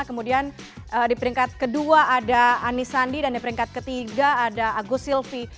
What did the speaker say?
kemudian di peringkat kedua ada anisandi dan di peringkat ketiga ada agus silvi